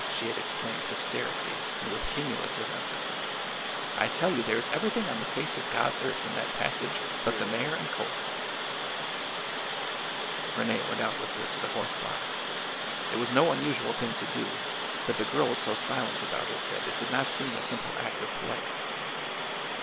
" she had exclaimed hysterically and with cumulative emphasis, I tell you there is everything on the face of God's earth in that passage but the mare and colt !" Rene went out with her to the horse blocks. It was no unusual thing to do, but the girl was so silent about it that it did not seem a simple act of politeness.